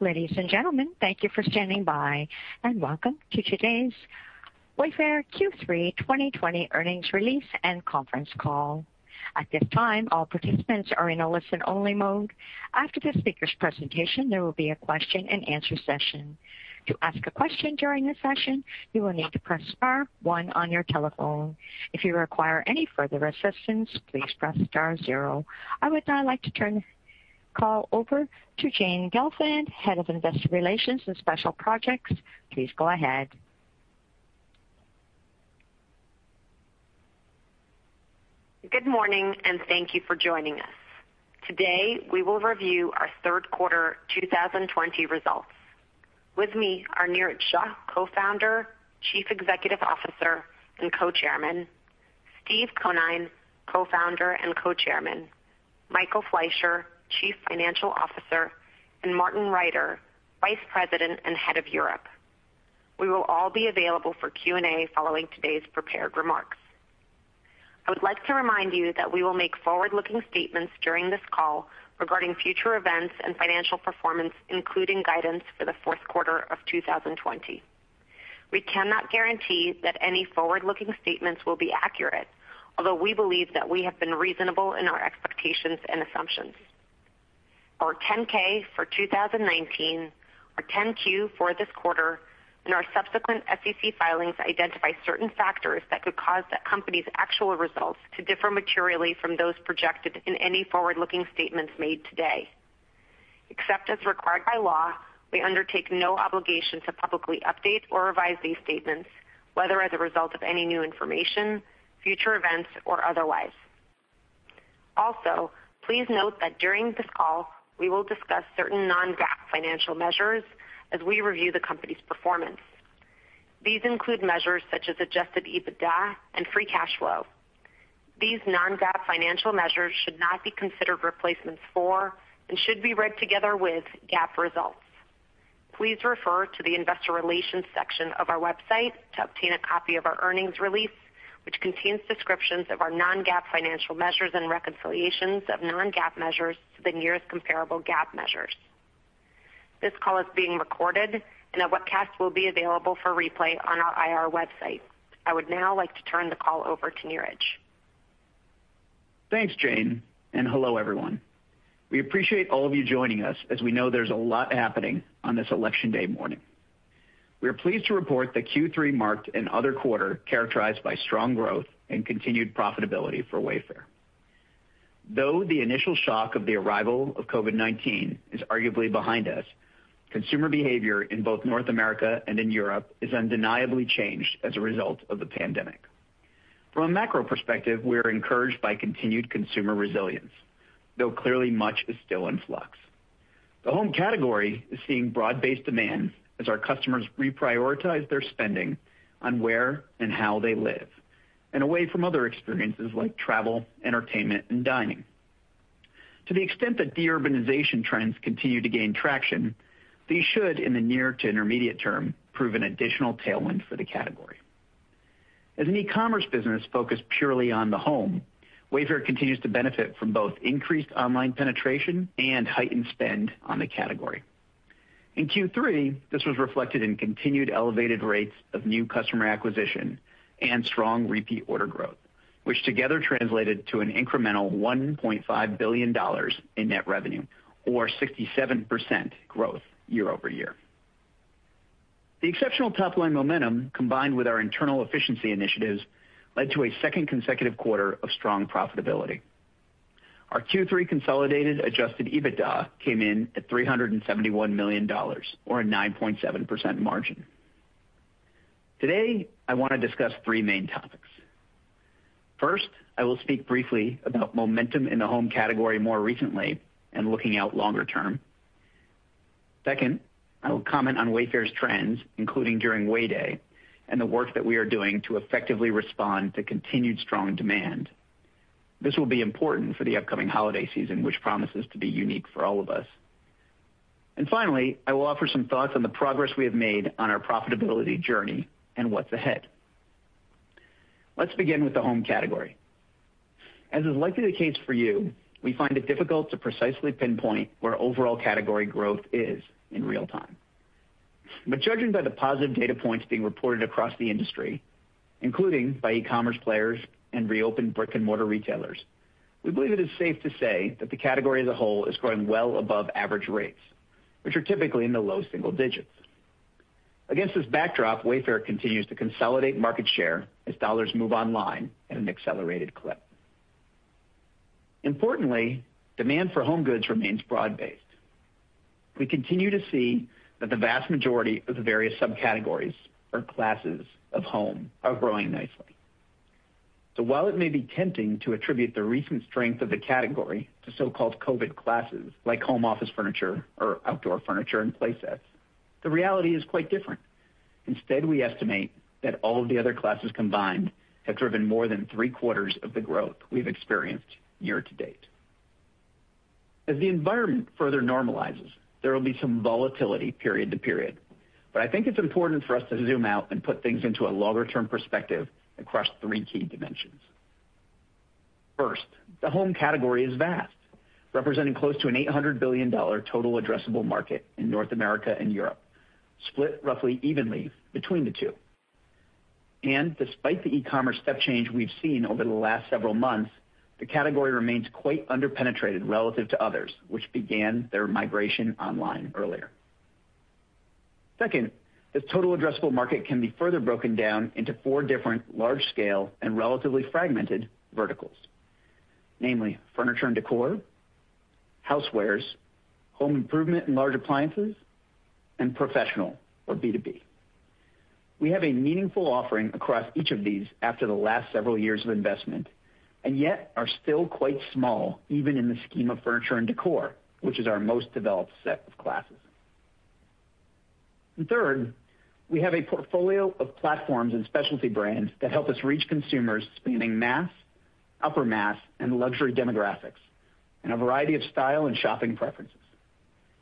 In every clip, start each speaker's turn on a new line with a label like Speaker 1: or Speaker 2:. Speaker 1: Ladies and gentlemen, thank you for standing by, and welcome to today's Wayfair Q3 2020 earnings release and conference call. At this time, all participants are in a listen-only mode. After the speakers' presentation, there will be a question and answer session. To ask a question during this session, you will need to press star one on your telephone. If you require any further assistance, please press star zero. I would now like to turn the call over to Jane Gelfand, Head of Investor Relations and Special Projects. Please go ahead.
Speaker 2: Good morning, and thank you for joining us. Today, we will review our third quarter 2020 results. With me are Niraj Shah, Co-Founder, Chief Executive Officer, and Co-Chairman, Steve Conine, Co-Founder and Co-Chairman, Michael Fleisher, Chief Financial Officer, and Martin Reiter, Vice President and Head of Europe. We will all be available for Q&A following today's prepared remarks. I would like to remind you that we will make forward-looking statements during this call regarding future events and financial performance, including guidance for the fourth quarter of 2020. We cannot guarantee that any forward-looking statements will be accurate, although we believe that we have been reasonable in our expectations and assumptions. Our 10-K for 2019, our 10-Q for this quarter, and our subsequent SEC filings identify certain factors that could cause the company's actual results to differ materially from those projected in any forward-looking statements made today. Except as required by law, we undertake no obligation to publicly update or revise these statements, whether as a result of any new information, future events, or otherwise. Also, please note that during this call, we will discuss certain non-GAAP financial measures as we review the company's performance. These include measures such as adjusted EBITDA and free cash flow. These non-GAAP financial measures should not be considered replacements for and should be read together with GAAP results. Please refer to the Investor Relations section of our website to obtain a copy of our earnings release, which contains descriptions of our non-GAAP financial measures and reconciliations of non-GAAP measures to the nearest comparable GAAP measures. This call is being recorded, and a webcast will be available for replay on our IR website. I would now like to turn the call over to Niraj.
Speaker 3: Thanks, Jane, and hello, everyone. We appreciate all of you joining us as we know there's a lot happening on this Election Day morning. We are pleased to report that Q3 marked another quarter characterized by strong growth and continued profitability for Wayfair. The initial shock of the arrival of COVID-19 is arguably behind us, consumer behavior in both North America and in Europe is undeniably changed as a result of the pandemic. From a macro perspective, we are encouraged by continued consumer resilience, though clearly much is still in flux. The home category is seeing broad-based demand as our customers reprioritize their spending on where and how they live and away from other experiences like travel, entertainment, and dining. To the extent that deurbanization trends continue to gain traction, these should, in the near to intermediate term, prove an additional tailwind for the category. As an e-commerce business focused purely on the home, Wayfair continues to benefit from both increased online penetration and heightened spend on the category. In Q3, this was reflected in continued elevated rates of new customer acquisition and strong repeat order growth, which together translated to an incremental $1.5 billion in net revenue or 67% growth year-over-year. The exceptional top-line momentum, combined with our internal efficiency initiatives, led to a second consecutive quarter of strong profitability. Our Q3 consolidated adjusted EBITDA came in at $371 million, or a 9.7% margin. Today, I want to discuss three main topics. First, I will speak briefly about momentum in the home category more recently and looking out longer term. Second, I will comment on Wayfair's trends, including during Way Day, and the work that we are doing to effectively respond to continued strong demand. This will be important for the upcoming holiday season, which promises to be unique for all of us. Finally, I will offer some thoughts on the progress we have made on our profitability journey and what's ahead. Let's begin with the home category. As is likely the case for you, we find it difficult to precisely pinpoint where overall category growth is in real-time. Judging by the positive data points being reported across the industry, including by e-commerce players and reopened brick-and-mortar retailers, we believe it is safe to say that the category as a whole is growing well above average rates, which are typically in the low-single-digits. Against this backdrop, Wayfair continues to consolidate market share as dollars move online at an accelerated clip. Importantly, demand for home goods remains broad-based. We continue to see that the vast majority of the various subcategories or classes of home are growing nicely. While it may be tempting to attribute the recent strength of the category to so-called COVID classes like home office furniture or outdoor furniture and play sets, the reality is quite different. Instead, we estimate that all of the other classes combined have driven more than three-quarters of the growth we've experienced year to date. As the environment further normalizes, there will be some volatility period to period. I think it's important for us to zoom out and put things into a longer-term perspective across three key dimensions. First, the home category is vast, representing close to an $800 billion total addressable market in North America and Europe, split roughly evenly between the two. Despite the e-commerce step change we've seen over the last several months, the category remains quite under-penetrated relative to others, which began their migration online earlier. Second, this total addressable market can be further broken down into four different large-scale and relatively fragmented verticals, namely furniture and decor, housewares, home improvement and large appliances, and professional or B2B. We have a meaningful offering across each of these after the last several years of investment, and yet are still quite small even in the scheme of furniture and decor, which is our most developed set of classes. Third, we have a portfolio of platforms and specialty brands that help us reach consumers spanning mass, upper mass, and luxury demographics, and a variety of style and shopping preferences.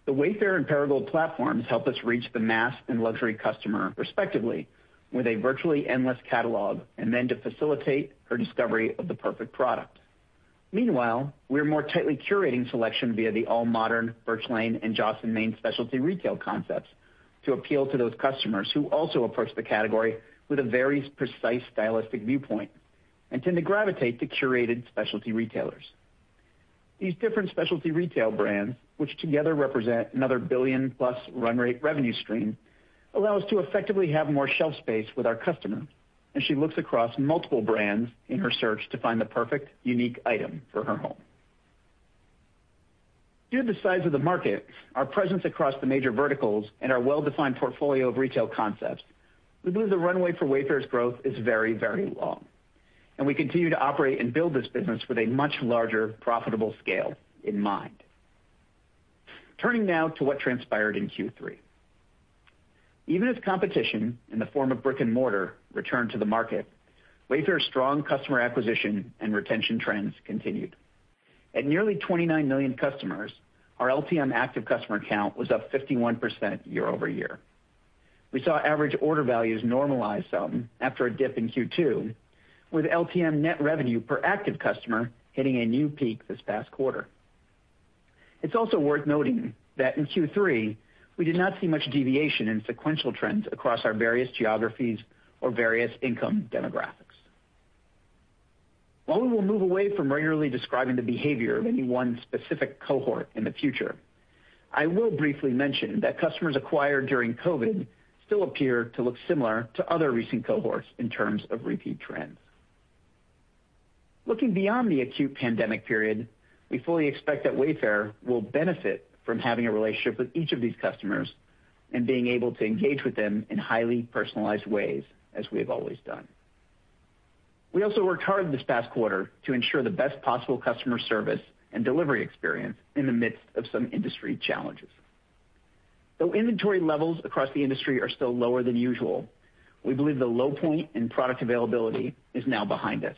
Speaker 3: The Wayfair and Perigold platforms help us reach the mass and luxury customer, respectively, with a virtually endless catalog and then to facilitate her discovery of the perfect product. Meanwhile, we are more tightly curating selection via the AllModern, Birch Lane, and Joss & Main specialty retail concepts to appeal to those customers who also approach the category with a very precise stylistic viewpoint and tend to gravitate to curated specialty retailers. These different specialty retail brands, which together represent another billion-plus run rate revenue stream, allow us to effectively have more shelf space with our customer as she looks across multiple brands in her search to find the perfect unique item for her home. Due to the size of the market, our presence across the major verticals, and our well-defined portfolio of retail concepts, we believe the runway for Wayfair's growth is very, very long. We continue to operate and build this business with a much larger profitable scale in mind. Turning now to what transpired in Q3. Even as competition in the form of brick and mortar returned to the market, Wayfair's strong customer acquisition and retention trends continued. At nearly 29 million customers, our LTM active customer count was up 51% year-over-year. We saw average order values normalize some after a dip in Q2, with LTM net revenue per active customer hitting a new peak this past quarter. It's also worth noting that in Q3, we did not see much deviation in sequential trends across our various geographies or various income demographics. While we will move away from regularly describing the behavior of any one specific cohort in the future, I will briefly mention that customers acquired during COVID still appear to look similar to other recent cohorts in terms of repeat trends. Looking beyond the acute pandemic period, we fully expect that Wayfair will benefit from having a relationship with each of these customers and being able to engage with them in highly personalized ways as we have always done. We also worked hard this past quarter to ensure the best possible customer service and delivery experience in the midst of some industry challenges. Though inventory levels across the industry are still lower than usual, we believe the low point in product availability is now behind us.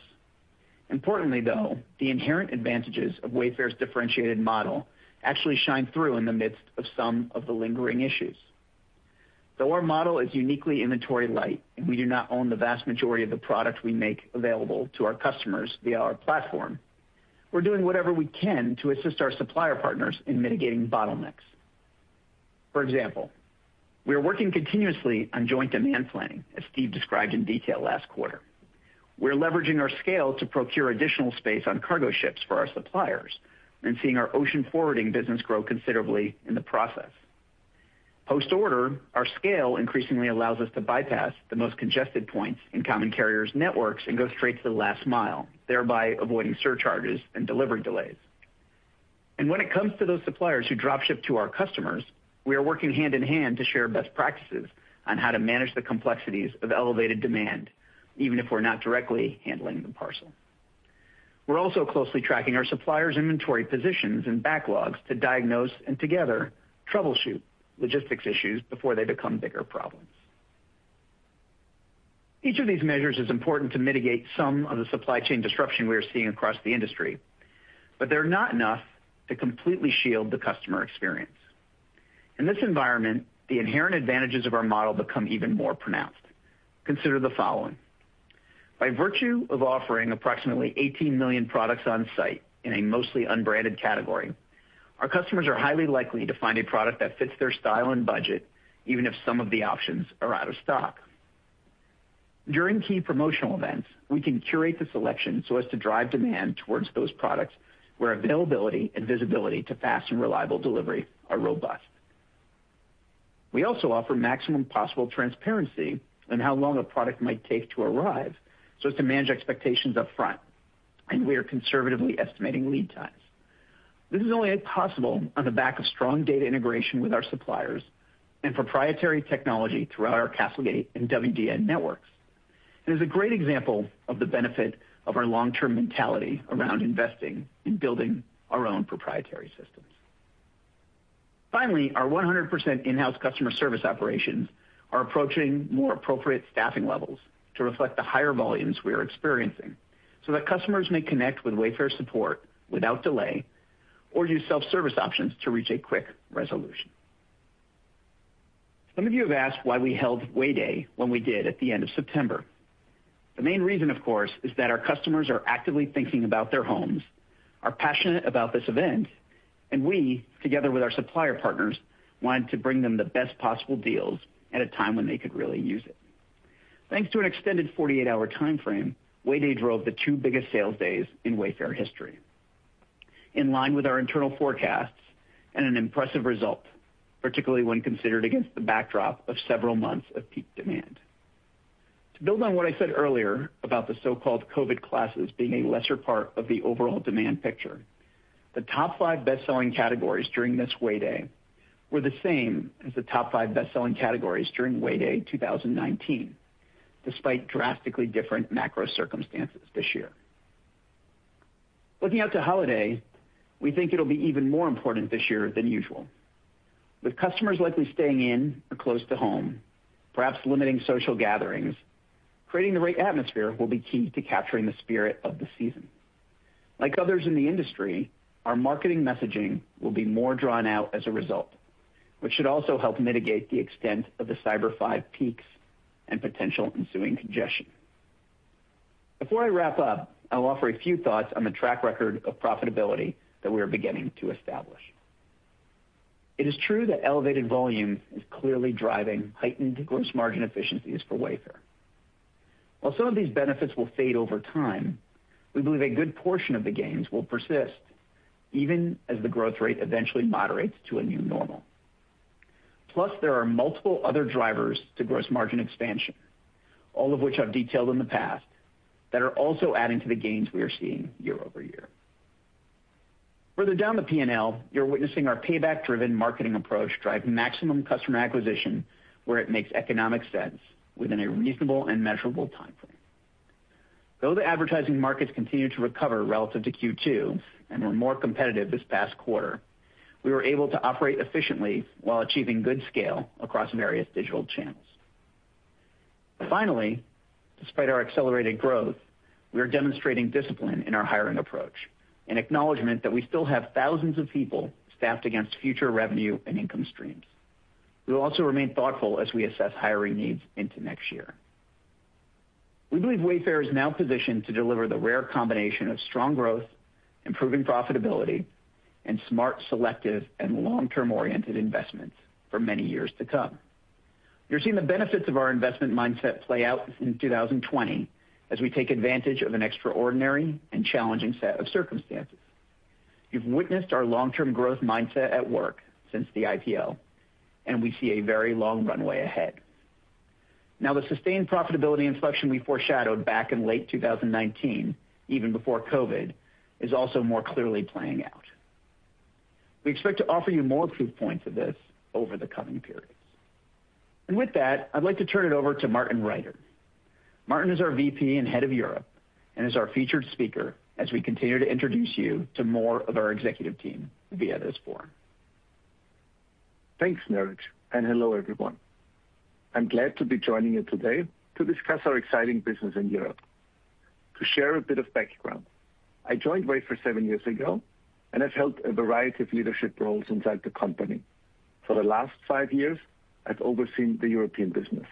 Speaker 3: Importantly, though, the inherent advantages of Wayfair's differentiated model actually shine through in the midst of some of the lingering issues. Though our model is uniquely inventory-light and we do not own the vast majority of the product we make available to our customers via our platform, we're doing whatever we can to assist our supplier partners in mitigating bottlenecks. For example, we are working continuously on joint demand planning, as Steve described in detail last quarter. We're leveraging our scale to procure additional space on cargo ships for our suppliers and seeing our ocean forwarding business grow considerably in the process. Post-order, our scale increasingly allows us to bypass the most congested points in common carriers' networks and go straight to the last mile, thereby avoiding surcharges and delivery delays. When it comes to those suppliers who drop ship to our customers, we are working hand in hand to share best practices on how to manage the complexities of elevated demand, even if we're not directly handling the parcel. We're also closely tracking our suppliers' inventory positions and backlogs to diagnose and together troubleshoot logistics issues before they become bigger problems. Each of these measures is important to mitigate some of the supply chain disruption we are seeing across the industry, but they're not enough to completely shield the customer experience. In this environment, the inherent advantages of our model become even more pronounced. Consider the following. By virtue of offering approximately 18 million products on-site in a mostly unbranded category, our customers are highly likely to find a product that fits their style and budget, even if some of the options are out of stock. During key promotional events, we can curate the selection so as to drive demand towards those products where availability and visibility to fast and reliable delivery are robust. We also offer maximum possible transparency on how long a product might take to arrive so as to manage expectations up front, and we are conservatively estimating lead times. This is only possible on the back of strong data integration with our suppliers and proprietary technology throughout our CastleGate and WDN networks, and is a great example of the benefit of our long-term mentality around investing in building our own proprietary systems. Finally, our 100% in-house customer service operations are approaching more appropriate staffing levels to reflect the higher volumes we are experiencing so that customers may connect with Wayfair support without delay or use self-service options to reach a quick resolution. Some of you have asked why we held Way Day when we did at the end of September. The main reason, of course, is that our customers are actively thinking about their homes, are passionate about this event, and we, together with our supplier partners, wanted to bring them the best possible deals at a time when they could really use it. Thanks to an extended 48-hour timeframe, Way Day drove the two biggest sales days in Wayfair history. In line with our internal forecasts and an impressive result, particularly when considered against the backdrop of several months of peak demand. To build on what I said earlier about the so-called COVID classes being a lesser part of the overall demand picture, the top five best-selling categories during this Way Day were the same as the top five best-selling categories during Way Day 2019, despite drastically different macro circumstances this year. Looking out to holiday, we think it'll be even more important this year than usual. With customers likely staying in or close to home, perhaps limiting social gatherings, creating the right atmosphere will be key to capturing the spirit of the season. Like others in the industry, our marketing messaging will be more drawn out as a result, which should also help mitigate the extent of the Cyber Five peaks and potential ensuing congestion. Before I wrap up, I'll offer a few thoughts on the track record of profitability that we are beginning to establish. It is true that elevated volume is clearly driving heightened gross margin efficiencies for Wayfair. While some of these benefits will fade over time, we believe a good portion of the gains will persist even as the growth rate eventually moderates to a new normal. There are multiple other drivers to gross margin expansion, all of which I've detailed in the past, that are also adding to the gains we are seeing year-over-year. Further down the P&L, you're witnessing our payback-driven marketing approach drive maximum customer acquisition where it makes economic sense within a reasonable and measurable timeframe. The advertising markets continue to recover relative to Q2 and were more competitive this past quarter, we were able to operate efficiently while achieving good scale across various digital channels. Finally, despite our accelerated growth, we are demonstrating discipline in our hiring approach and acknowledgment that we still have thousands of people staffed against future revenue and income streams. We will also remain thoughtful as we assess hiring needs into next year. We believe Wayfair is now positioned to deliver the rare combination of strong growth, improving profitability, and smart, selective, and long-term-oriented investments for many years to come. You're seeing the benefits of our investment mindset play out in 2020 as we take advantage of an extraordinary and challenging set of circumstances. You've witnessed our long-term growth mindset at work since the IPO. We see a very long runway ahead. Now, the sustained profitability inflection we foreshadowed back in late 2019, even before COVID, is also more clearly playing out. We expect to offer you more proof points of this over the coming periods. With that, I'd like to turn it over to Martin Reiter. Martin is our VP and Head of Europe, and is our featured speaker as we continue to introduce you to more of our executive team via this forum.
Speaker 4: Thanks, Niraj, and hello, everyone. I'm glad to be joining you today to discuss our exciting business in Europe. To share a bit of background, I joined Wayfair seven years ago and have held a variety of leadership roles inside the company. For the last five years, I've overseen the European business.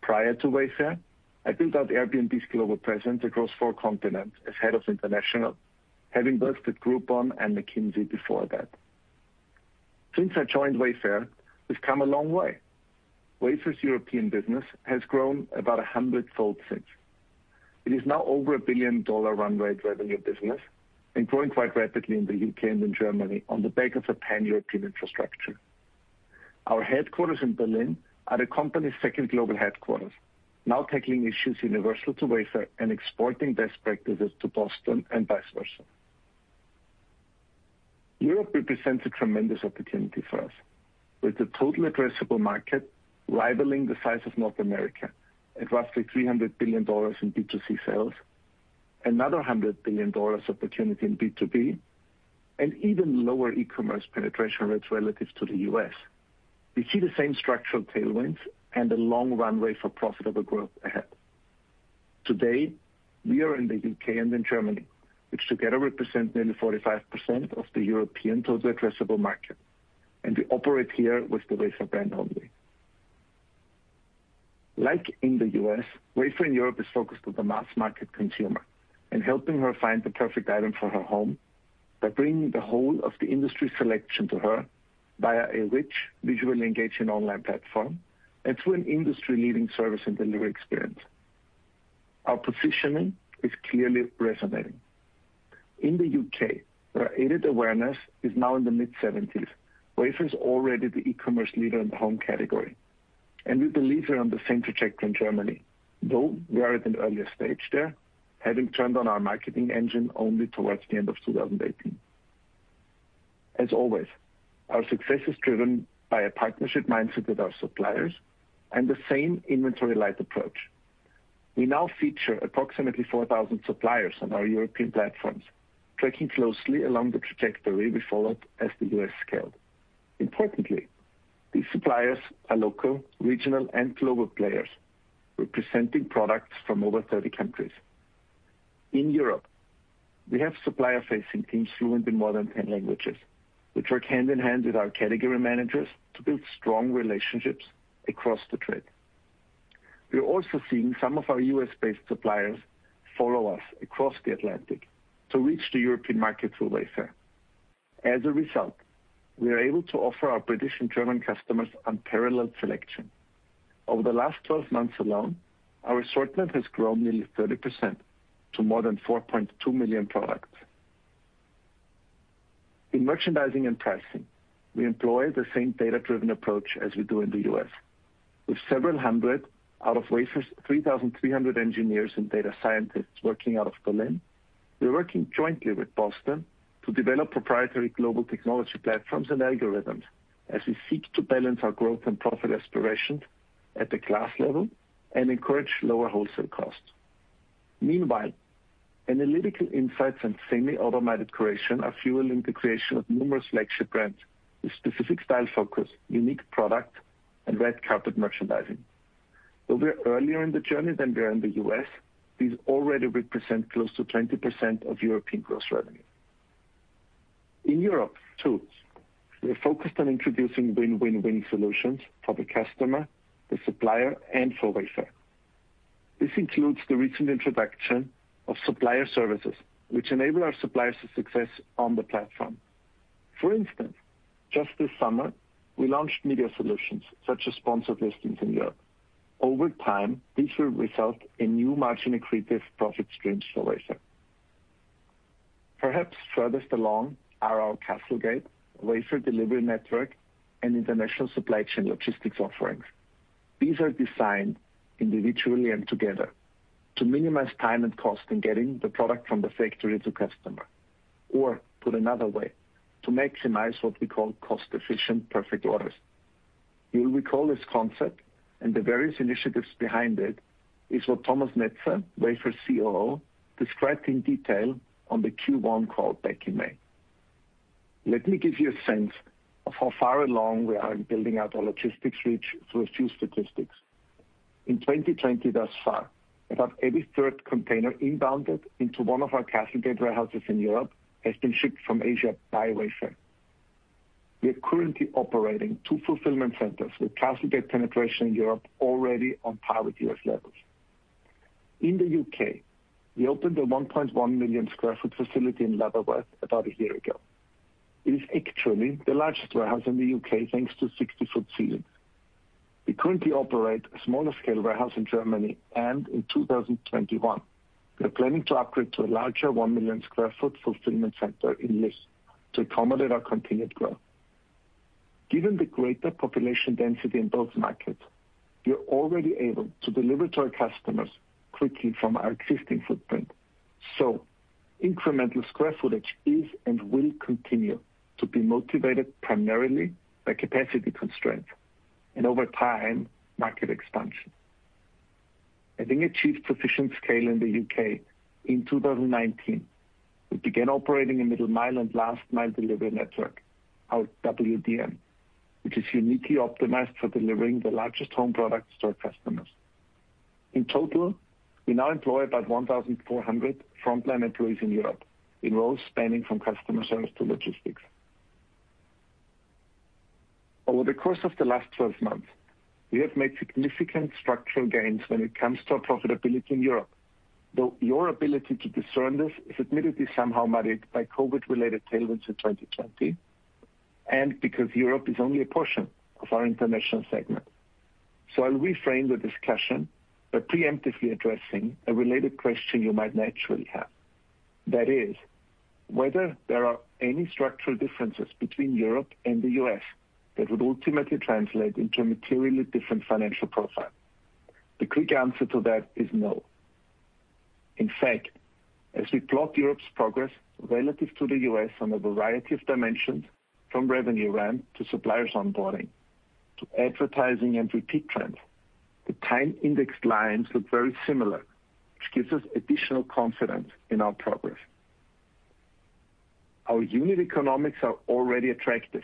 Speaker 4: Prior to Wayfair, I built out Airbnb's global presence across four continents as Head of International, having worked at Groupon and McKinsey & Company before that. Since I joined Wayfair, we've come a long way. Wayfair's European business has grown about 100-fold since. It is now over a $1 billion-dollar run rate revenue business and growing quite rapidly in the U.K. and in Germany on the back of a pan-European infrastructure. Our headquarters in Berlin are the company's second global headquarters, now tackling issues universal to Wayfair and exporting best practices to Boston and vice versa. Europe represents a tremendous opportunity for us. With a total addressable market rivaling the size of North America at roughly $300 billion in B2C sales, another $100 billion opportunity in B2B, and even lower e-commerce penetration rates relative to the U.S., we see the same structural tailwinds and a long runway for profitable growth ahead. Today, we are in the U.K. and in Germany, which together represent nearly 45% of the European total addressable market, and we operate here with the Wayfair brand only. Like in the U.S., Wayfair in Europe is focused on the mass market consumer and helping her find the perfect item for her home by bringing the whole of the industry selection to her via a rich visually engaging online platform and through an industry-leading service and delivery experience. Our positioning is clearly resonating. In the U.K., where aided awareness is now in the mid-70s, Wayfair is already the e-commerce leader in the home category, and we believe we're on the same trajectory in Germany, though we are at an earlier stage there, having turned on our marketing engine only towards the end of 2018. As always, our success is driven by a partnership mindset with our suppliers and the same inventory-light approach. We now feature approximately 4,000 suppliers on our European platforms, tracking closely along the trajectory we followed as the U.S. scaled. Importantly, these suppliers are local, regional, and global players representing products from over 30 countries. In Europe, we have supplier-facing teams fluent in more than 10 languages, which work hand in hand with our category managers to build strong relationships across the trade. We're also seeing some of our U.S.-based suppliers follow us across the Atlantic to reach the European market through Wayfair. As a result, we are able to offer our British and German customers unparalleled selection. Over the last 12 months alone, our assortment has grown nearly 30% to more than 4.2 million products. In merchandising and pricing, we employ the same data-driven approach as we do in the U.S. With several hundred out of Wayfair's 3,300 engineers and data scientists working out of Berlin, we're working jointly with Boston to develop proprietary global technology platforms and algorithms as we seek to balance our growth and profit aspirations at the class level and encourage lower wholesale costs. Meanwhile, analytical insights and semi-automated curation are fueling the creation of numerous flagship brands with specific style focus, unique product, and red carpet merchandising. Though we're earlier in the journey than we are in the U.S., these already represent close to 20% of European gross revenue. In Europe, too, we are focused on introducing win-win-win solutions for the customer, the supplier, and for Wayfair. This includes the recent introduction of supplier services, which enable our suppliers to succeed on the platform. For instance, just this summer, we launched media solutions such as sponsored listings in Europe. Over time, these will result in new margin-accretive profit streams for Wayfair. Perhaps furthest along are our CastleGate, Wayfair Delivery Network, and international supply chain logistics offerings. These are designed individually and together to minimize time and cost in getting the product from the factory to customer. Or put another way, to maximize what we call cost-efficient perfect orders. You'll recall this concept and the various initiatives behind it is what Thomas Netzer, Wayfair's COO, described in detail on the Q1 call back in May. Let me give you a sense of how far along we are in building out our logistics reach through a few statistics. In 2020 thus far, about every third container inbounded into one of our CastleGate warehouses in Europe has been shipped from Asia by Wayfair. We are currently operating two fulfillment centers with CastleGate penetration in Europe already on-par with U.S. levels. In the U.K., we opened a 1.1 million square feet facility in Lutterworth about a year ago. It is actually the largest warehouse in the U.K., thanks to 60-ft ceilings. We currently operate a smaller scale warehouse in Germany. In 2021, we are planning to upgrade to a larger 1 million square feet fulfillment center in Lich to accommodate our continued growth. Given the greater population density in both markets, we are already able to deliver to our customers quickly from our existing footprint. Incremental square footage is and will continue to be motivated primarily by capacity constraints and, over time, market expansion. Having achieved sufficient scale in the U.K. in 2019, we began operating a middle mile and last mile delivery network, our WDN, which is uniquely optimized for delivering the largest home products to our customers. In total, we now employ about 1,400 frontline employees in Europe in roles spanning from customer service to logistics. Over the course of the last 12 months, we have made significant structural gains when it comes to our profitability in Europe, though your ability to discern this is admittedly somewhat muddied by COVID-related tailwinds in 2020 and because Europe is only a portion of our international segment. I'll reframe the discussion by preemptively addressing a related question you might naturally have. That is, whether there are any structural differences between Europe and the U.S. that would ultimately translate into a materially different financial profile. The quick answer to that is no. In fact, as we plot Europe's progress relative to the U.S. on a variety of dimensions, from revenue ramp to suppliers onboarding, to advertising and repeat trends, the time indexed lines look very similar, which gives us additional confidence in our progress. Our unit economics are already attractive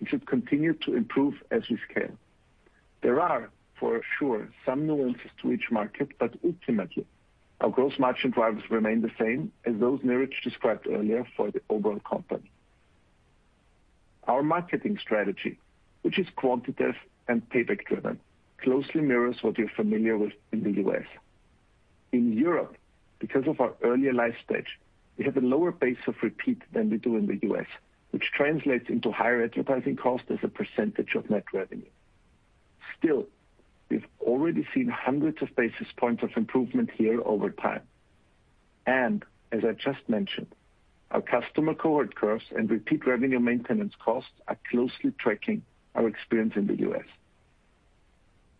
Speaker 4: and should continue to improve as we scale. There are for sure some nuances to each market, but ultimately, our gross margin drivers remain the same as those Niraj described earlier for the overall company. Our marketing strategy, which is quantitative and payback driven, closely mirrors what you're familiar with in the U.S. In Europe, because of our earlier life stage, we have a lower base of repeat than we do in the U.S., which translates into higher advertising cost as a percentage of net revenue. Still, we've already seen hundreds of basis points of improvement here over time. As I just mentioned, our customer cohort curves and repeat revenue maintenance costs are closely tracking our experience in the U.S.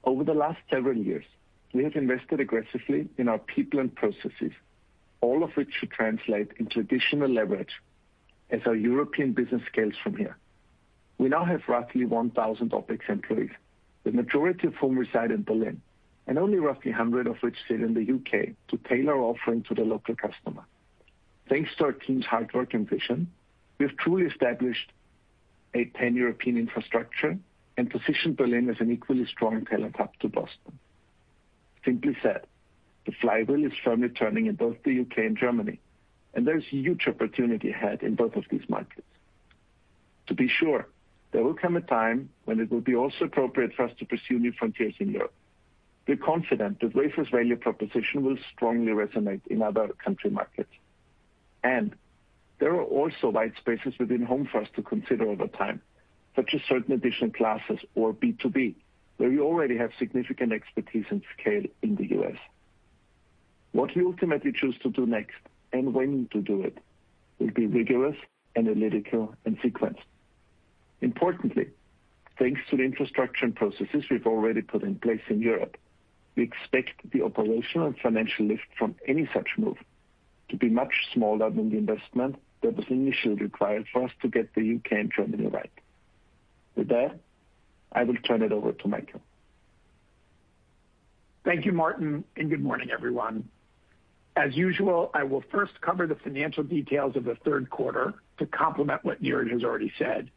Speaker 4: Over the last several years, we have invested aggressively in our people and processes, all of which should translate into additional leverage as our European business scales from here. We now have roughly 1,000 OpEx employees, the majority of whom reside in Berlin, and only roughly 100 of which sit in the U.K. to tailor offering to the local customer. Thanks to our team's hard work and vision, we have truly established a pan-European infrastructure and positioned Berlin as an equally strong talent hub to Boston. Simply said, the flywheel is firmly turning in both the U.K. and Germany, and there is huge opportunity ahead in both of these markets. To be sure, there will come a time when it will be also appropriate for us to pursue new frontiers in Europe. We are confident that Wayfair's value proposition will strongly resonate in other country markets. There are also white spaces within home for us to consider over time, such as certain additional classes or B2B, where we already have significant expertise and scale in the U.S. What we ultimately choose to do next and when to do it will be rigorous, analytical, and sequenced. Importantly, thanks to the infrastructure and processes we've already put in place in Europe, we expect the operational and financial lift from any such move to be much smaller than the investment that was initially required for us to get the U.K. and Germany right. With that, I will turn it over to Michael.
Speaker 5: Thank you, Martin, and good morning, everyone. As usual, I will first cover the financial details of the third quarter to complement what Niraj has already said,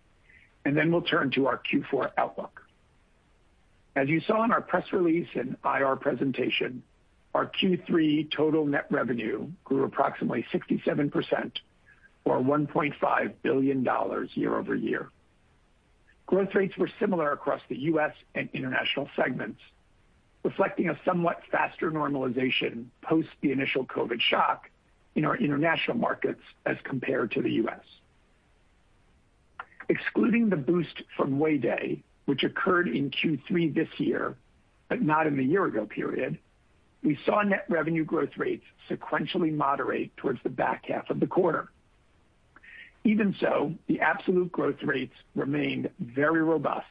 Speaker 5: and then we'll turn to our Q4 outlook. As you saw in our press release and IR presentation, our Q3 total net revenue grew approximately 67%, or $1.5 billion year-over-year. Growth rates were similar across the U.S. and international segments, reflecting a somewhat faster normalization post the initial COVID shock in our international markets as compared to the U.S. Excluding the boost from Way Day, which occurred in Q3 this year, but not in the year-ago period, we saw net revenue growth rates sequentially moderate towards the back half of the quarter. Even so, the absolute growth rates remained very robust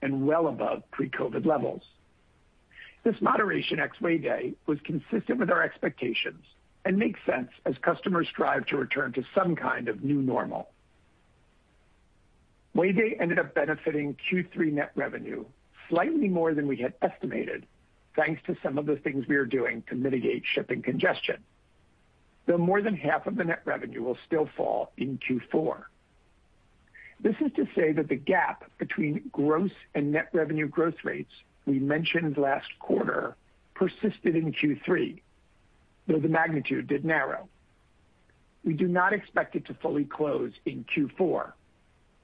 Speaker 5: and well above pre-COVID levels. This moderation ex-Way Day was consistent with our expectations and makes sense as customers strive to return to some kind of new normal. Way Day ended up benefiting Q3 net revenue slightly more than we had estimated, thanks to some of the things we are doing to mitigate shipping congestion, though more than half of the net revenue will still fall in Q4. This is to say that the gap between gross and net revenue growth rates we mentioned last quarter persisted in Q3, though the magnitude did narrow. We do not expect it to fully close in Q4,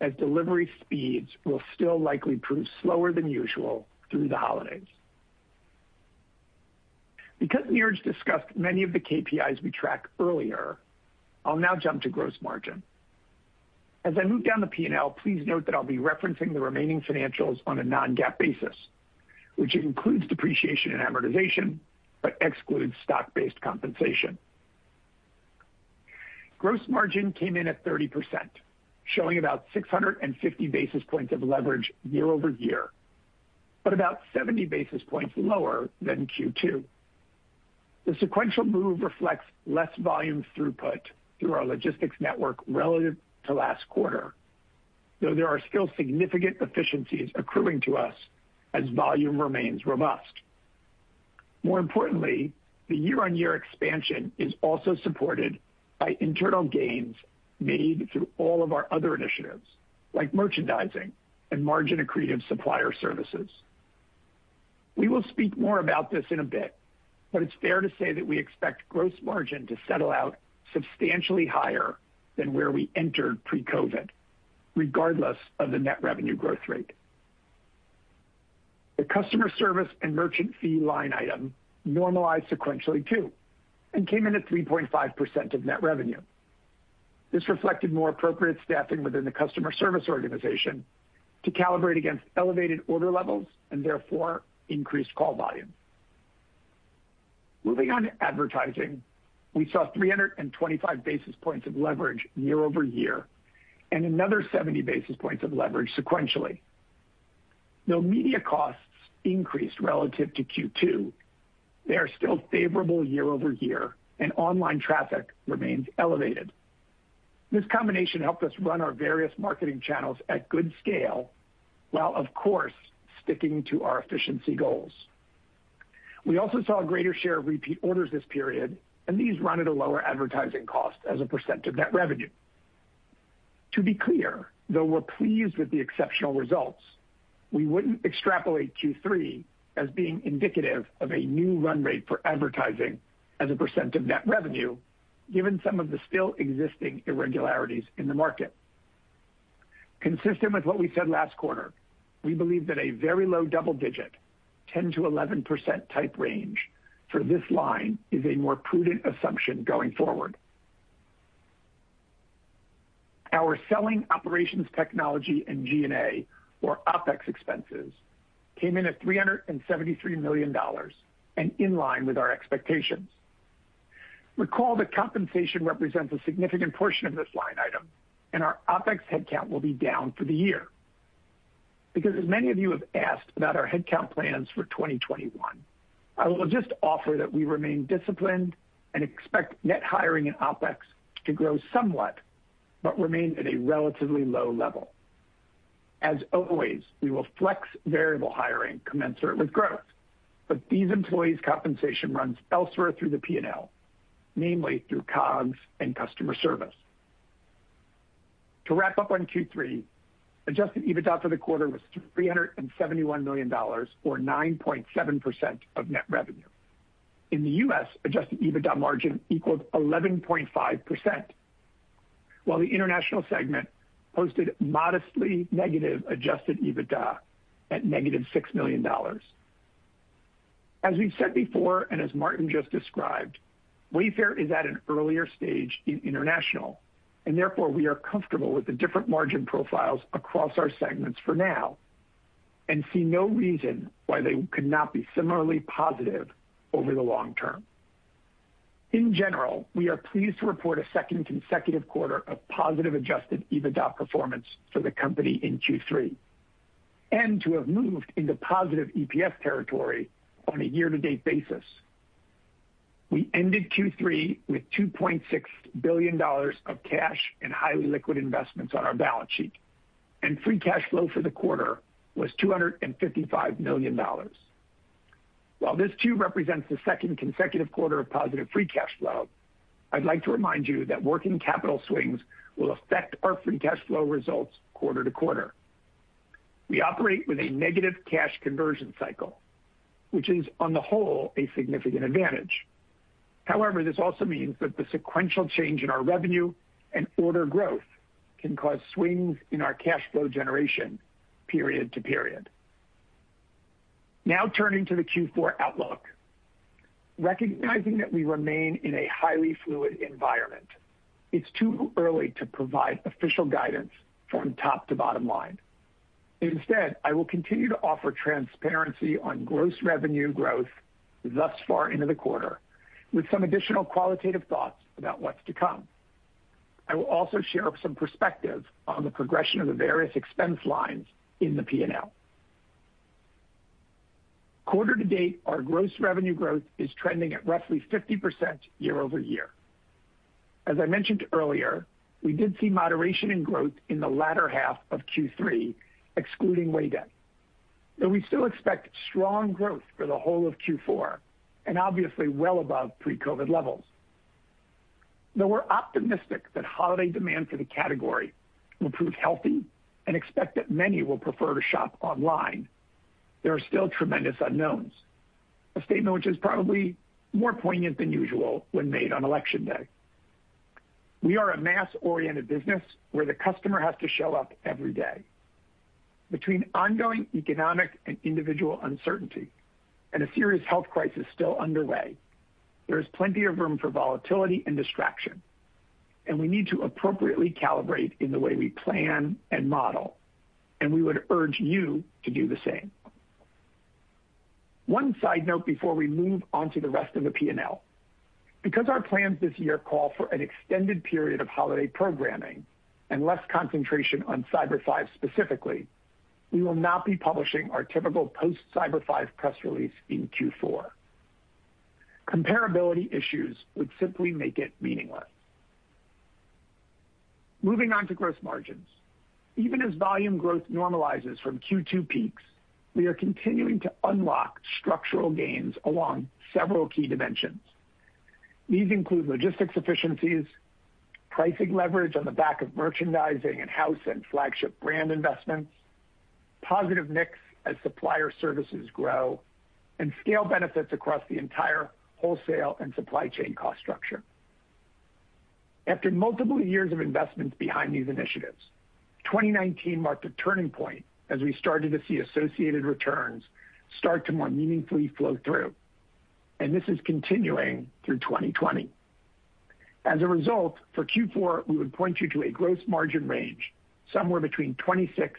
Speaker 5: as delivery speeds will still likely prove slower than usual through the holidays. Because Niraj discussed many of the KPIs we tracked earlier, I'll now jump to gross margin. As I move down the P&L, please note that I'll be referencing the remaining financials on a non-GAAP basis, which includes depreciation and amortization, but excludes stock-based compensation. Gross margin came in at 30%, showing about 650 basis points of leverage year-over-year, About 70 basis points lower than Q2. The sequential move reflects less volume throughput through our logistics network relative to last quarter, though there are still significant efficiencies accruing to us as volume remains robust. More importantly, the year-on-year expansion is also supported by internal gains made through all of our other initiatives, like merchandising and margin-accretive supplier services. We will speak more about this in a bit, It's fair to say that we expect gross margin to settle out substantially higher than where we entered pre-COVID, regardless of the net revenue growth rate. The customer service and merchant fee line item normalized sequentially too and came in at 3.5% of net revenue. This reflected more appropriate staffing within the customer service organization to calibrate against elevated order levels and therefore increased call volume. Moving on to advertising, we saw 325 basis points of leverage year-over-year and another 70 basis points of leverage sequentially. Though media costs increased relative to Q2, they are still favorable year-over-year, and online traffic remains elevated. This combination helped us run our various marketing channels at good scale, while of course, sticking to our efficiency goals. We also saw a greater share of repeat orders this period, and these run at a lower advertising cost as a percent of net revenue. To be clear, though we're pleased with the exceptional results, we wouldn't extrapolate Q3 as being indicative of a new run rate for advertising as a percent of net revenue, given some of the still existing irregularities in the market. Consistent with what we said last quarter, we believe that a very low-double-digit, 10%-11% type range for this line is a more prudent assumption going forward. Our Selling, Operations, Technology, and G&A, or OpEx expenses, came in at $373 million and in line with our expectations. Recall that compensation represents a significant portion of this line item, and our OpEx headcount will be down for the year. As many of you have asked about our headcount plans for 2021, I will just offer that we remain disciplined and expect net hiring and OpEx to grow somewhat but remain at a relatively low level. As always, we will flex variable hiring commensurate with growth, but these employees' compensation runs elsewhere through the P&L, namely through COGS and customer service. To wrap up on Q3, adjusted EBITDA for the quarter was $371 million, or 9.7% of net revenue. In the U.S., adjusted EBITDA margin equals 11.5%, while the international segment posted modestly negative adjusted EBITDA at -$6 million. As we've said before, and as Martin just described, Wayfair is at an earlier stage in international, and therefore we are comfortable with the different margin profiles across our segments for now, and see no reason why they could not be similarly positive over the long term. In general, we are pleased to report a second consecutive quarter of positive adjusted EBITDA performance for the company in Q3, and to have moved into positive EPS territory on a year-to-date basis. We ended Q3 with $2.6 billion of cash and highly liquid investments on our balance sheet, and free cash flow for the quarter was $255 million. While this too represents the second consecutive quarter of positive free cash flow, I'd like to remind you that working capital swings will affect our free cash flow results quarter-to-quarter. We operate with a negative cash conversion cycle, which is, on the whole, a significant advantage. However, this also means that the sequential change in our revenue and order growth can cause swings in our cash flow generation period-to-period. Now turning to the Q4 outlook. Recognizing that we remain in a highly fluid environment, it's too early to provide official guidance from top to bottom line. Instead, I will continue to offer transparency on gross revenue growth thus far into the quarter with some additional qualitative thoughts about what's to come. I will also share some perspective on the progression of the various expense lines in the P&L. Quarter to date, our gross revenue growth is trending at roughly 50% year-over-year. As I mentioned earlier, we did see moderation in growth in the latter half of Q3, excluding Way Day. Though we still expect strong growth for the whole of Q4, and obviously well above pre-COVID levels. Though we're optimistic that holiday demand for the category will prove healthy and expect that many will prefer to shop online, there are still tremendous unknowns, a statement which is probably more poignant than usual when made on Election Day. We are a mass-oriented business where the customer has to show up every day. Between ongoing economic and individual uncertainty and a serious health crisis still underway, there is plenty of room for volatility and distraction, and we need to appropriately calibrate in the way we plan and model, and we would urge you to do the same. One side note before we move on to the rest of the P&L. Because our plans this year call for an extended period of holiday programming and less concentration on Cyber Five specifically, we will not be publishing our typical post-Cyber Five press release in Q4. Comparability issues would simply make it meaningless. Moving on to gross margins. Even as volume growth normalizes from Q2 peaks, we are continuing to unlock structural gains along several key dimensions. These include logistics efficiencies, pricing leverage on the back of merchandising and house and flagship brand investments, positive mix as supplier services grow, and scale benefits across the entire wholesale and supply chain cost structure. After multiple years of investments behind these initiatives, 2019 marked a turning point as we started to see associated returns start to more meaningfully flow through, and this is continuing through 2020. For Q4, we would point you to a gross margin range somewhere between 26%-28%.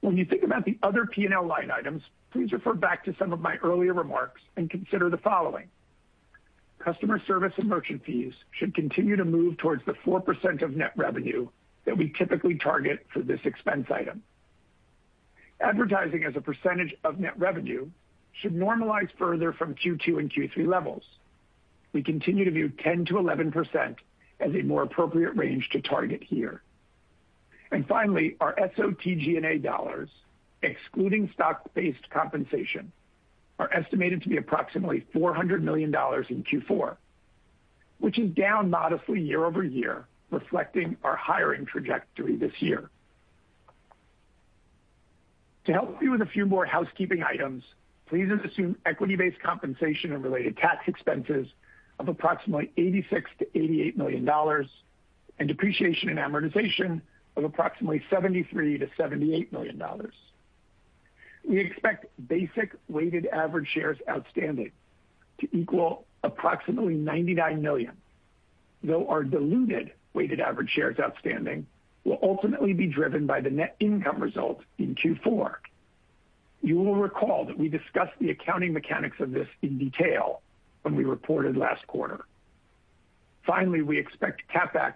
Speaker 5: When you think about the other P&L line items, please refer back to some of my earlier remarks and consider the following. Customer service and merchant fees should continue to move towards the 4% of net revenue that we typically target for this expense item. Advertising as a percentage of net revenue should normalize further from Q2 and Q3 levels. We continue to view 10%-11% as a more appropriate range to target here. Finally, our SOTG&A dollars, excluding stock-based compensation, are estimated to be approximately $400 million in Q4, which is down modestly year-over-year, reflecting our hiring trajectory this year. To help you with a few more housekeeping items, please assume equity-based compensation and related tax expenses of approximately $86 million-$88 million, and depreciation in amortization of approximately $73 million-$78 million. We expect basic weighted average shares outstanding to equal approximately 99 million, though our diluted weighted average shares outstanding will ultimately be driven by the net income result in Q4. You will recall that we discussed the accounting mechanics of this in detail when we reported last quarter. We expect CapEx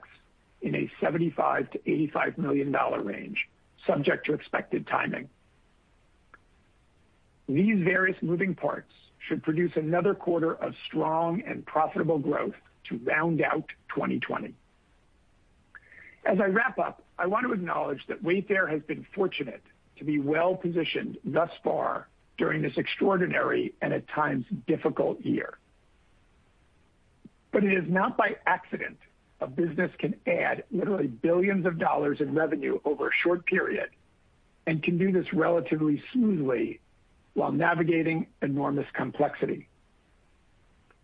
Speaker 5: in a $75 million-$85 million range, subject to expected timing. These various moving parts should produce another quarter of strong and profitable growth to round out 2020. As I wrap up, I want to acknowledge that Wayfair has been fortunate to be well-positioned thus far during this extraordinary and at times, difficult year. It is not by accident a business can add literally billions of dollars in revenue over a short period, and can do this relatively smoothly while navigating enormous complexity.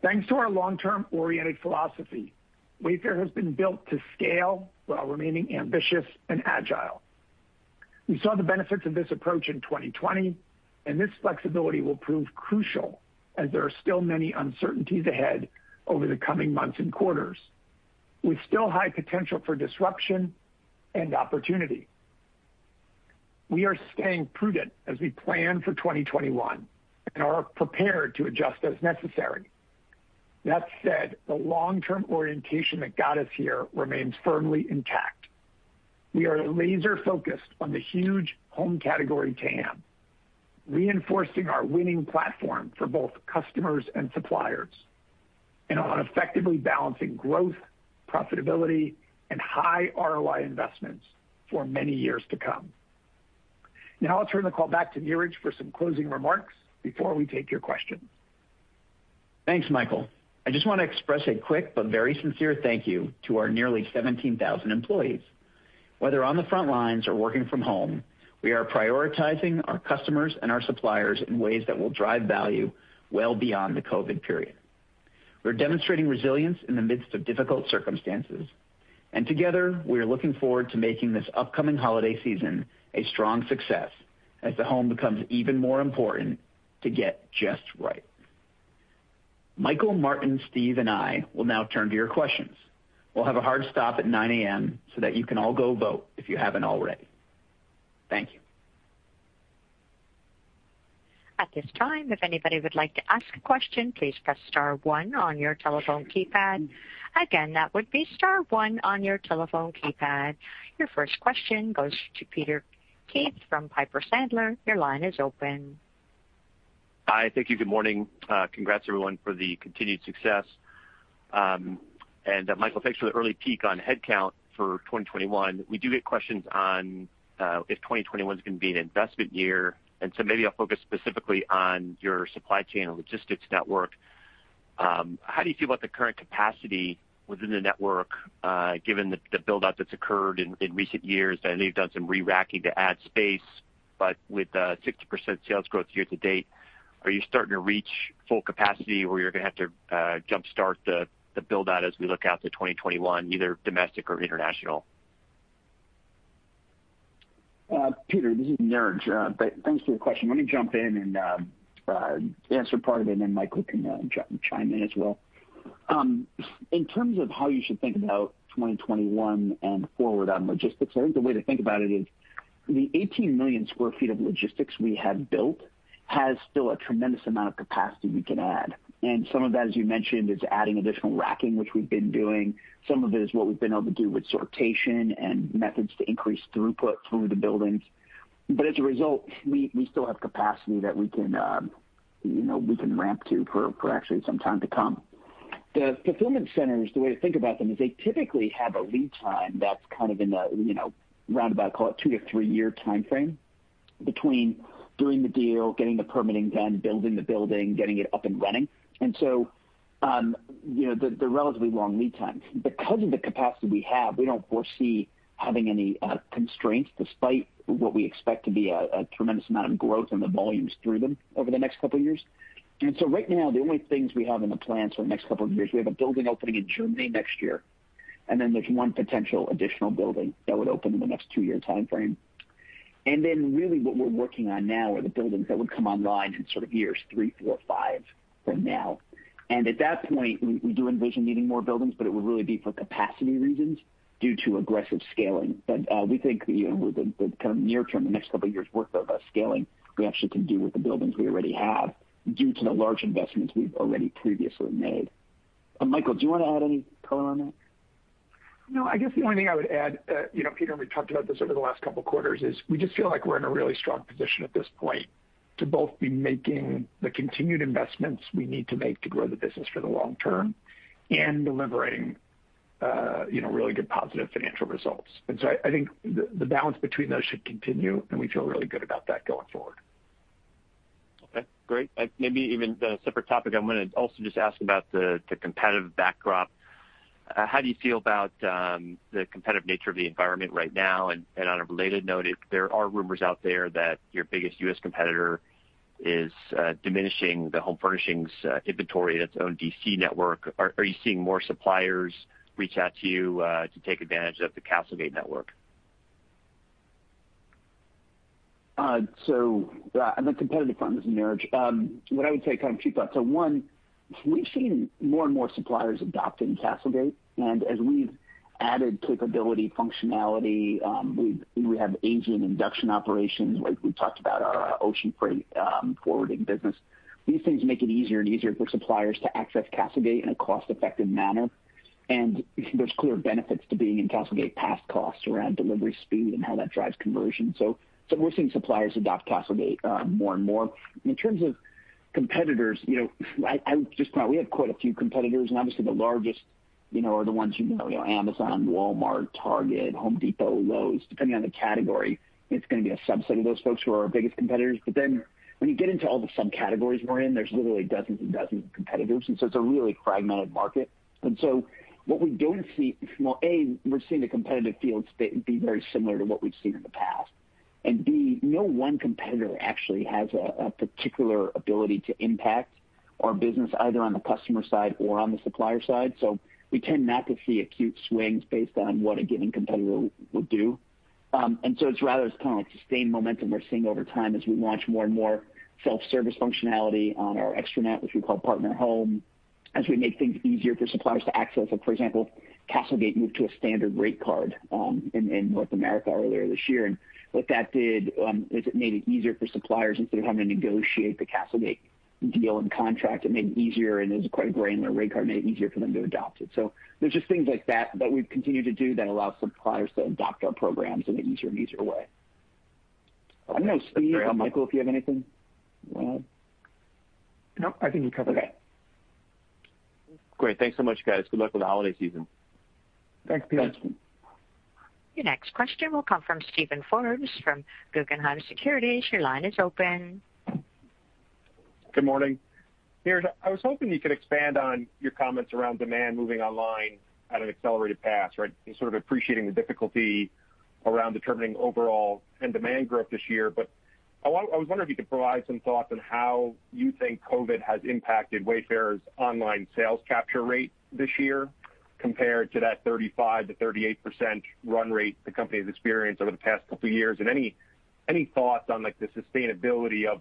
Speaker 5: Thanks to our long-term-oriented philosophy, Wayfair has been built to scale while remaining ambitious and agile. We saw the benefits of this approach in 2020, and this flexibility will prove crucial as there are still many uncertainties ahead over the coming months and quarters, with still high potential for disruption and opportunity. We are staying prudent as we plan for 2021 and are prepared to adjust as necessary. That said, the long-term orientation that got us here remains firmly intact. We are laser-focused on the huge home category TAM, reinforcing our winning platform for both customers and suppliers, and on effectively balancing growth, profitability, and high ROI investments for many years to come. Now I'll turn the call back to Niraj for some closing remarks before we take your questions.
Speaker 3: Thanks, Michael. I just want to express a quick but very sincere thank you to our nearly 17,000 employees. Whether on the front lines or working from home, we are prioritizing our customers and our suppliers in ways that will drive value well beyond the COVID period. We're demonstrating resilience in the midst of difficult circumstances, and together, we are looking forward to making this upcoming holiday season a strong success as the home becomes even more important to get just right. Michael, Martin, Steve, and I will now turn to your questions. We'll have a hard stop at 9:00 A.M. so that you can all go vote if you haven't already. Thank you.
Speaker 1: At this time, if anybody would like to ask a question, please press star one on your telephone keypad. Again, that would be star one on your telephone keypad. Your first question goes to Peter Keith from Piper Sandler. Your line is open.
Speaker 6: Hi. Thank you. Good morning. Congrats everyone for the continued success. Michael, thanks for the early peek on headcount for 2021. We do get questions on if 2021's going to be an investment year, maybe I'll focus specifically on your supply chain logistics network. How do you feel about the current capacity within the network given the build-out that's occurred in recent years? I know you've done some re-racking to add space, with 60% sales growth year to date, are you starting to reach full capacity where you're going to have to jumpstart the build-out as we look out to 2021, either domestic or international?
Speaker 3: Peter, this is Niraj. Thanks for your question. Let me jump in and answer part of it, and then Michael can chime in as well. In terms of how you should think about 2021 and forward on logistics, I think the way to think about it is the 18 million square feet of logistics we have built has still a tremendous amount of capacity we can add. Some of that, as you mentioned, is adding additional racking, which we've been doing. Some of it is what we've been able to do with sortation and methods to increase throughput through the buildings. As a result, we still have capacity that we can ramp to for actually some time to come. The fulfillment centers, the way to think about them is they typically have a lead time that's kind of in the roundabout, call it two to three-year timeframe between doing the deal, getting the permitting done, building the building, getting it up and running. They're relatively long lead times. Because of the capacity we have, we don't foresee having any constraints despite what we expect to be a tremendous amount of growth in the volumes through them over the next couple of years. Right now, the only things we have in the plans for the next couple of years, we have a building opening in Germany next year, and then there's one potential additional building that would open in the next two-year timeframe. Really what we're working on now are the buildings that would come online in sort of years three, four, five from now. At that point, we do envision needing more buildings, but it would really be for capacity reasons due to aggressive scaling. We think with the kind of near term, the next couple of years worth of scaling, we actually can do with the buildings we already have due to the large investments we've already previously made. Michael, do you want to add any color on that?
Speaker 5: No, I guess the only thing I would add, Peter, and we've talked about this over the last couple of quarters, is we just feel like we're in a really strong position at this point to both be making the continued investments we need to make to grow the business for the long term and delivering really good positive financial results. I think the balance between those should continue, and we feel really good about that going forward.
Speaker 6: Okay, great. Maybe even a separate topic. I want to also just ask about the competitive backdrop. How do you feel about the competitive nature of the environment right now? On a related note, there are rumors out there that your biggest U.S. competitor is diminishing the home furnishings inventory at its own DC network. Are you seeing more suppliers reach out to you to take advantage of the CastleGate network?
Speaker 3: On the competitive front, this is Niraj. What I would say kind of two parts. One, we've seen more and more suppliers adopting CastleGate. As we've added capability, functionality, we have Asia induction operations, like we talked about our ocean freight forwarding business. These things make it easier and easier for suppliers to access CastleGate in a cost-effective manner. There's clear benefits to being in CastleGate, past costs around delivery speed and how that drives conversion. We're seeing suppliers adopt CastleGate more and more. In terms of competitors, I would just point out, we have quite a few competitors, and obviously the largest are the ones you know, Amazon, Walmart, Target, The Home Depot, Lowe's. Depending on the category, it's going to be a subset of those folks who are our biggest competitors. When you get into all the subcategories we're in, there's literally dozens and dozens of competitors. It's a really fragmented market. What we don't see, well, A, we're seeing the competitive field be very similar to what we've seen in the past. B, no one competitor actually has a particular ability to impact our business, either on the customer side or on the supplier side. We tend not to see acute swings based on what a given competitor will do. It's rather kind of like sustained momentum we're seeing over time as we launch more and more self-service functionality on our extranet, which we call Partner Home, as we make things easier for suppliers to access, like for example, CastleGate moved to a standard rate card in North America earlier this year. What that did is it made it easier for suppliers. Instead of having to negotiate the CastleGate deal and contract, it made it easier, and it was quite a granular rate card, made it easier for them to adopt it. There's just things like that that we've continued to do that allow suppliers to adopt our programs in an easier way. I don't know, Steve or Michael, if you have anything you want to add.
Speaker 5: No, I think you covered it.
Speaker 6: Great. Thanks so much, guys. Good luck with the holiday season.
Speaker 5: Thanks, Peter.
Speaker 3: Thanks.
Speaker 1: Your next question will come from Steven Forbes from Guggenheim Securities. Your line is open.
Speaker 7: Good morning. I was hoping you could expand on your comments around demand moving online at an accelerated path. Sort of appreciating the difficulty around determining overall end demand growth this year. I was wondering if you could provide some thoughts on how you think COVID has impacted Wayfair's online sales capture rate this year compared to that 35%-38% run rate the company's experienced over the past couple years. Any thoughts on the sustainability of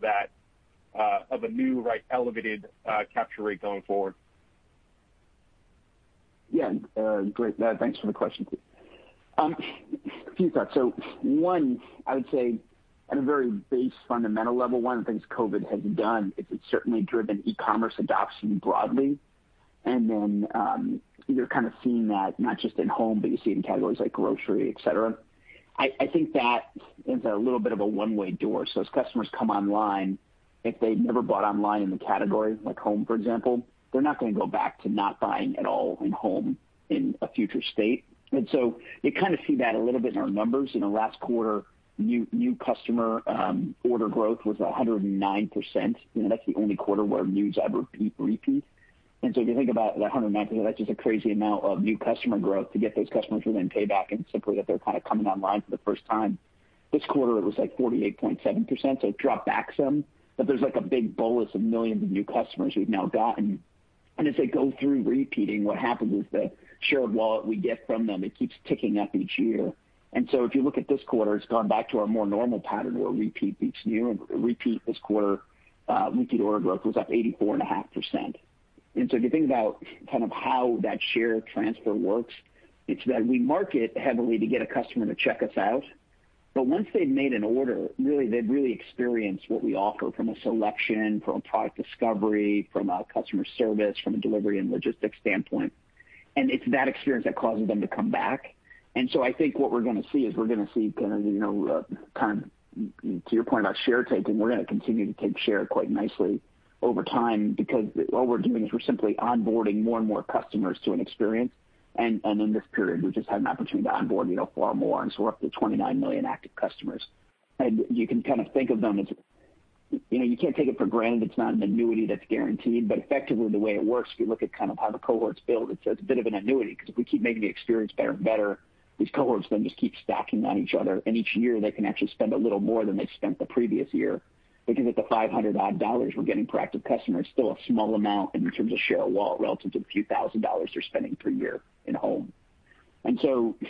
Speaker 7: a new elevated capture rate going forward?
Speaker 3: Yeah. Great. Thanks for the question, Steven. A few thoughts. One, I would say at a very base fundamental level, one of the things COVID has done is it's certainly driven e-commerce adoption broadly, and then you're kind of seeing that not just in home, but you see it in categories like grocery, et cetera. I think that is a little bit of a one-way door. As customers come online, if they've never bought online in the category, like home, for example, they're not going to go back to not buying at all in home in a future state. You kind of see that a little bit in our numbers. In the last quarter, new customer order growth was 109%. That's the only quarter where new is ever repeat. If you think about that 109%, that's just a crazy amount of new customer growth to get those customers who then pay back and simply that they're kind of coming online for the first time. This quarter, it was like 48.7%, so it dropped back some. There's like a big bolus of millions of new customers we've now gotten. As they go through repeating, what happens is the shared wallet we get from them, it keeps ticking up each year. If you look at this quarter, it's gone back to our more normal pattern where repeat beats new, and repeat this quarter weekly order growth was up 84.5%. If you think about kind of how that share transfer works, it's that we market heavily to get a customer to check us out. Once they've made an order, really, they've really experienced what we offer from a selection, from a product discovery, from a customer service, from a delivery and logistics standpoint. It's that experience that causes them to come back. I think what we're going to see, to your point about share taking, we're going to continue to take share quite nicely over time because what we're doing is we're simply onboarding more and more customers to an experience. In this period, we just had an opportunity to onboard far more, and so we're up to 29 million active customers. You can kind of think of them as, you can't take it for granted. It's not an annuity that's guaranteed. Effectively, the way it works, if you look at kind of how the cohorts build, it's a bit of an annuity because if we keep making the experience better and better, these cohorts then just keep stacking on each other, and each year they can actually spend a little more than they spent the previous year. At the $500 odd we're getting per active customer, it's still a small amount in terms of share of wallet relative to the few thousand dollars they're spending per year in home.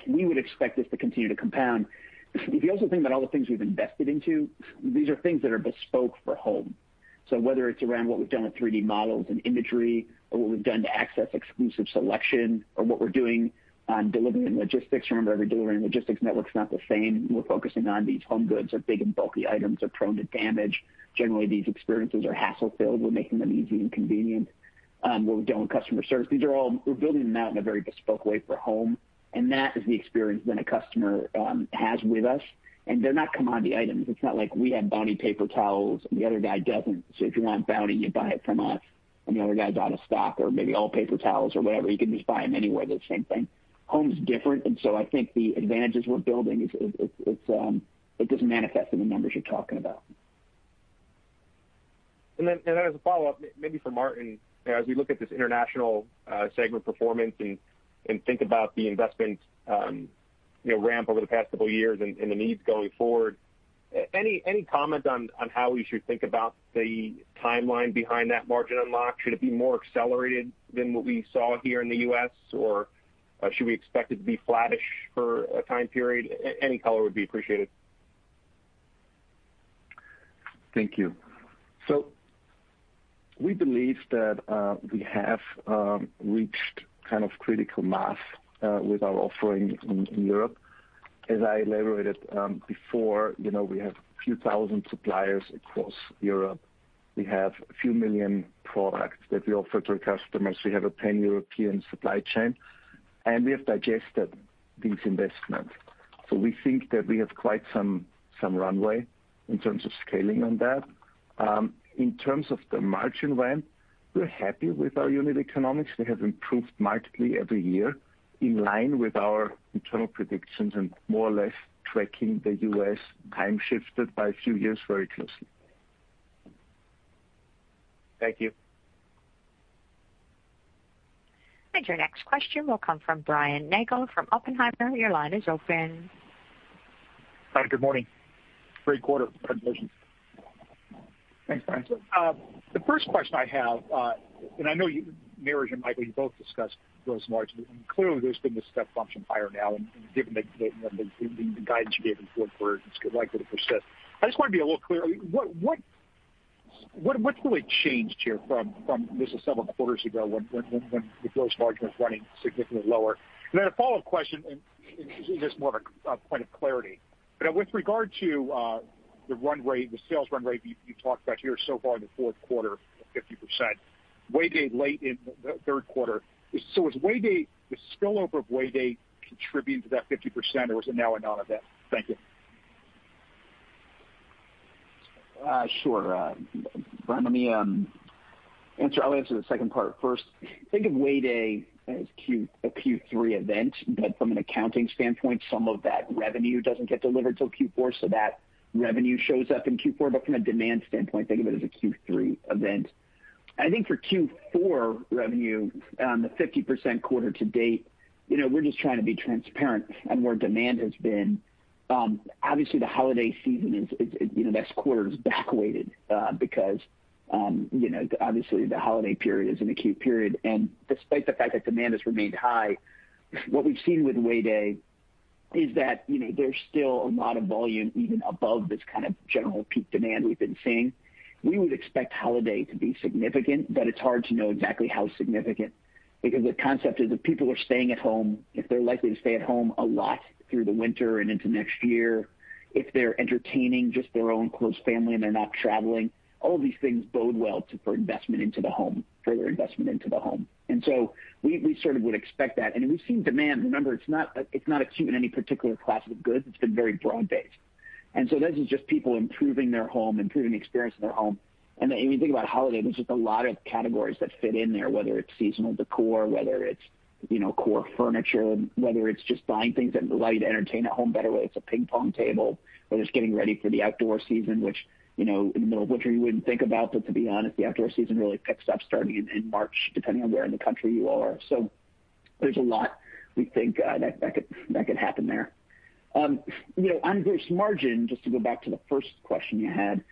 Speaker 3: We would expect this to continue to compound. If you also think about all the things we've invested into, these are things that are bespoke for home. Whether it's around what we've done with 3D models and imagery, or what we've done to access exclusive selection, or what we're doing on delivery and logistics, remember, every delivery and logistics network's not the same. We're focusing on these home goods are big and bulky items, are prone to damage. Generally, these experiences are hassle-filled. We're making them easy and convenient. What we've done with customer service, these are all, we're building them out in a very bespoke way for home, and that is the experience then a customer has with us. They're not commodity items. It's not like we have Bounty paper towels and the other guy doesn't, so if you want Bounty, you buy it from us, and the other guy's out of stock. Maybe all paper towels or whatever, you can just buy them anywhere, they're the same thing. Home's different, and so I think the advantages we're building it doesn't manifest in the numbers you're talking about.
Speaker 7: As a follow-up, maybe for Martin, as we look at this international segment performance and think about the investments ramp over the past couple years and the needs going forward, any comment on how we should think about the timeline behind that margin unlock? Should it be more accelerated than what we saw here in the U.S., or should we expect it to be flattish for a time period? Any color would be appreciated.
Speaker 4: Thank you. We believe that we have reached kind of critical mass with our offering in Europe. As I elaborated before, we have a few thousand suppliers across Europe. We have a few million products that we offer to our customers. We have a pan-European supply chain, and we have digested these investments. We think that we have quite some runway in terms of scaling on that. In terms of the margin ramp, we're happy with our unit economics. They have improved markedly every year in line with our internal predictions and more or less tracking the U.S. time shifted by a few years very closely.
Speaker 7: Thank you.
Speaker 1: Your next question will come from Brian Nagel from Oppenheimer. Your line is open.
Speaker 8: Hi. Good morning. Great quarter. Congratulations.
Speaker 3: Thanks, Brian.
Speaker 8: The first question I have. I know you, Niraj and Michael, you both discussed gross margin. Clearly, there's been this step function higher now and given the guidance you gave in forward it's likely to persist. I just want to be a little clear. What really changed here from this is several quarters ago when the gross margin was running significantly lower? Then a follow-up question and just more of a point of clarity with regard to the sales run rate you talked about here so far in the fourth quarter, 50%, Way Day late in the third quarter. Is the spillover of Way Day contributing to that 50%, or was it now a non-event? Thank you.
Speaker 3: Sure. Brian, let me answer. I'll answer the second part first. Think of Way Day as a Q3 event, but from an accounting standpoint, some of that revenue doesn't get delivered till Q4, so that revenue shows up in Q4. From a demand standpoint, think of it as a Q3 event. I think for Q4 revenue, the 50% quarter to date, we're just trying to be transparent on where demand has been. Obviously, the holiday season is, that quarter is back weighted because obviously the holiday period is an acute period. Despite the fact that demand has remained high, what we've seen with Way Day is that there's still a lot of volume even above this kind of general peak demand we've been seeing. We would expect holiday to be significant, but it's hard to know exactly how significant, because the concept is if people are staying at home, if they're likely to stay at home a lot through the winter and into next year, if they're entertaining just their own close family and they're not traveling, all of these things bode well for investment into the home, further investment into the home. We sort of would expect that. We've seen demand. Remember, it's not acute in any particular class of goods. It's been very broad-based. This is just people improving their home, improving the experience of their home. When you think about holiday, there's just a lot of categories that fit in there, whether it's seasonal decor, whether it's core furniture, whether it's just buying things that allow you to entertain at home better, whether it's a ping pong table, whether it's getting ready for the outdoor season, which in the middle of winter you wouldn't think about. To be honest, the outdoor season really picks up starting in March, depending on where in the country you are. There's a lot we think that could happen there. On gross margin, just to go back to the first question you had,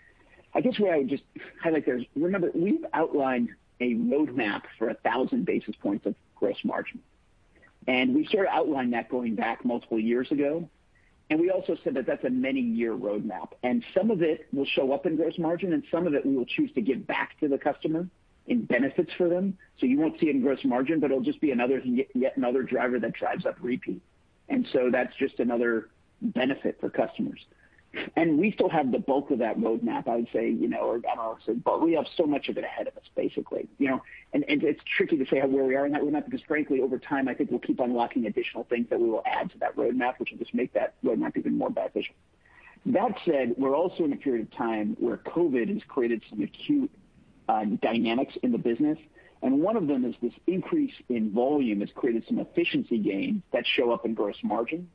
Speaker 3: I guess where I would just highlight there is, remember, we've outlined a roadmap for 1,000 basis points of gross margin, and we sort of outlined that going back multiple years ago. We also said that that's a many-year roadmap, and some of it will show up in gross margin, and some of it we will choose to give back to the customer in benefits for them. You won't see it in gross margin, but it'll just be yet another driver that drives up repeat. That's just another benefit for customers. We still have the bulk of that roadmap, I would say, or analysis, but we have so much of it ahead of us, basically. It's tricky to say where we are in that roadmap because frankly, over time, I think we'll keep unlocking additional things that we will add to that roadmap, which will just make that roadmap even more ambitious. That said, we're also in a period of time where COVID has created some acute dynamics in the business, and one of them is this increase in volume has created some efficiency gains that show up in gross margin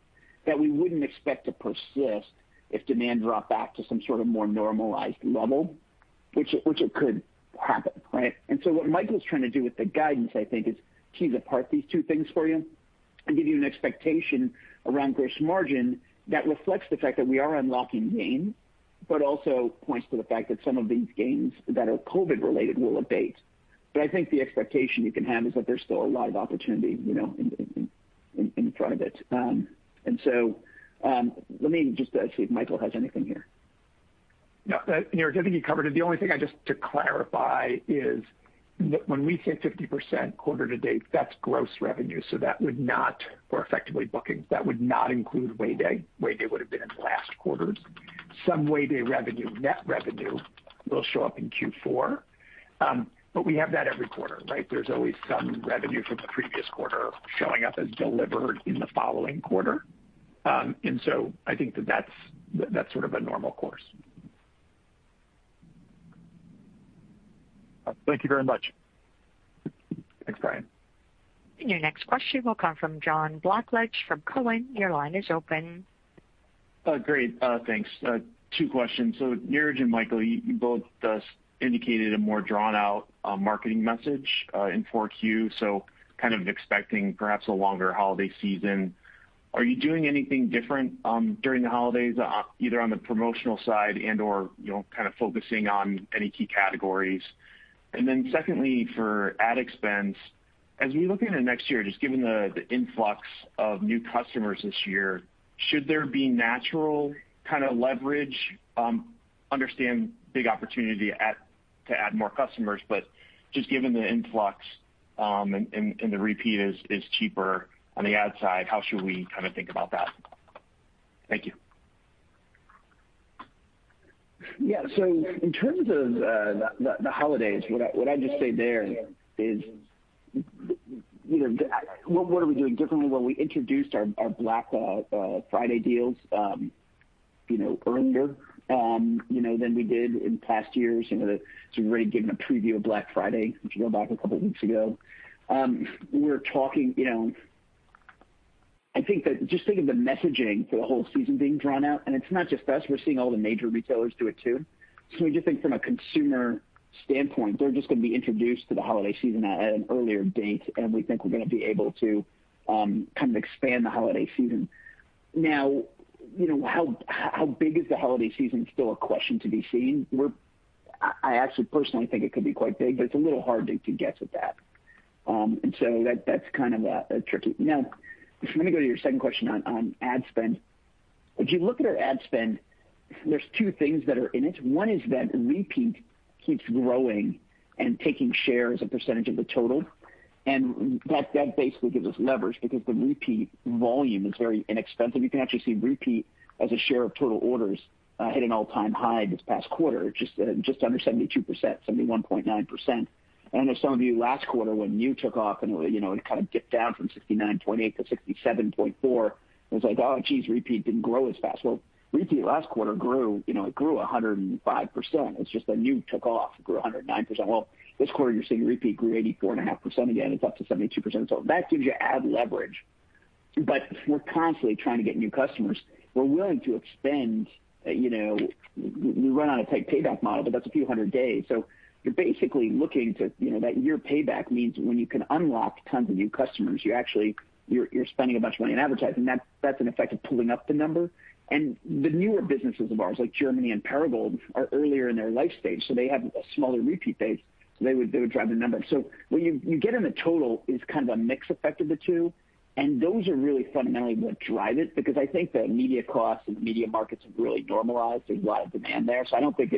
Speaker 3: that we wouldn't expect to persist if demand dropped back to some sort of more normalized level, which it could happen. Right? What Michael's trying to do with the guidance, I think, is tease apart these two things for you and give you an expectation around gross margin that reflects the fact that we are unlocking gains, but also points to the fact that some of these gains that are COVID related will abate. I think the expectation you can have is that there's still a lot of opportunity in front of it. Let me just see if Michael has anything here.
Speaker 5: No, Niraj, I think you covered it. The only thing just to clarify is that when we say 50% quarter-to-date, that's gross revenue. That would not, or effectively booking, that would not include Way Day. Way Day would have been in the last quarter. Some Way Day revenue, net revenue will show up in Q4. We have that every quarter, right? There's always some revenue from the previous quarter showing up as delivered in the following quarter. I think that that's sort of a normal course.
Speaker 8: Thank you very much.
Speaker 5: Thanks, Brian.
Speaker 1: Your next question will come from John Blackledge from Cowen.
Speaker 9: Great. Thanks. Two questions. Niraj and Michael, you both indicated a more drawn-out marketing message in 4Q. Kind of expecting perhaps a longer holiday season. Are you doing anything different during the holidays, either on the promotional side and/or kind of focusing on any key categories? Secondly, for ad expense, as we look into next year, just given the influx of new customers this year, should there be natural kind of leverage? Understand big opportunity to add more customers, but just given the influx and the repeat is cheaper on the ad side, how should we kind of think about that? Thank you.
Speaker 3: Yeah. In terms of the holidays, what I'd just say there is, what are we doing differently? Well, we introduced our Black Friday deals earlier than we did in past years. We've already given a preview of Black Friday, which went back a couple of weeks ago. Just think of the messaging for the whole season being drawn out, and it's not just us. We're seeing all the major retailers do it, too. We just think from a consumer standpoint, they're just going to be introduced to the holiday season at an earlier date, and we think we're going to be able to kind of expand the holiday season. Now, how big is the holiday season is still a question to be seen. I actually personally think it could be quite big, but it's a little hard to guess at that. That's kind of tricky. Let me go to your second question on ad spend. If you look at our ad spend, there's two things that are in it. One is that repeat keeps growing and taking share as a percentage of the total, and that basically gives us leverage because the repeat volume is very inexpensive. You can actually see repeat as a share of total orders hit an all-time high this past quarter, just under 72%, 71.9%. I know some of you last quarter when new took off and it kind of dipped down from 69.8%-67.4%. It was like, "Oh, geez, repeat didn't grow as fast." Repeat last quarter grew. It grew 105%. It's just that new took off, grew 109%. This quarter, you're seeing repeat grew 84.5%. It's up to 72%, so that gives you ad leverage. We're constantly trying to get new customers. We're willing to expend. We run on a tight payback model, but that's a few hundred days. That year payback means when you can unlock tons of new customers. You're spending a bunch of money in advertising. That's an effect of pulling up the number. The newer businesses of ours, like Germany and Perigold, are earlier in their life stage, so they have a smaller repeat base, so they would drive the numbers. What you get in the total is kind of a mix effect of the two, and those are really fundamentally what drive it, because I think the media costs and the media markets have really normalized. There's a lot of demand there. I don't think